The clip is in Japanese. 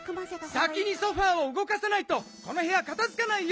先にソファーをうごかさないとこのへやかたづかないよ！